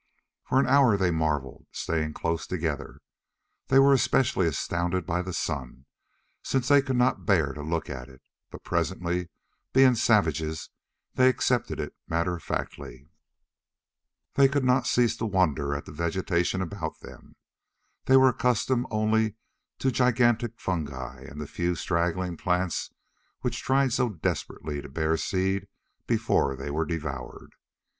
For an hour they marveled, staying close together. They were especially astounded by the sun, since they could not bear to look at it. But presently, being savages, they accepted it matter of factly. They could not cease to wonder at the vegetation about them. They were accustomed only to gigantic fungi and the few straggling plants which tried so desperately to bear seed before they were devoured.